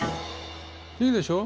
いいでしょ？